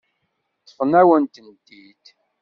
Ṭṭfen-awen-tent-id.